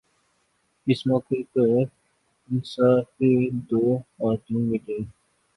اس موقع پر انصار کے دو آدمی ملے